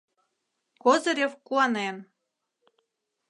Козырев куанен.